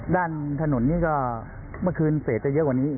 ด้านถนนนี้ก็เมื่อคืนเศษจะเยอะกว่านี้